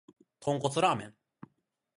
豚骨ラーメン